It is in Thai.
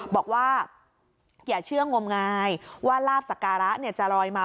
บอกว่าอย่าเชื่องมงายว่าลาบสการะจะลอยมา